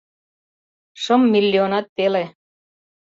— Шым миллионат пеле.